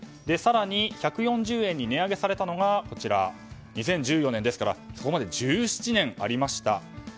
更に１４０円に値上げされたのが２０１４年ですからここまで１７年ありました。